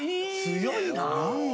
強いな！